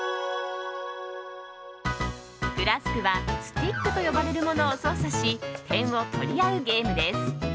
ＫＬＡＳＫは、スティックと呼ばれるものを操作し点を取り合うゲームです。